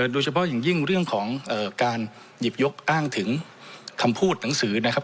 โดยเฉพาะอย่างยิ่งเรื่องของการหยิบยกอ้างถึงคำพูดหนังสือนะครับ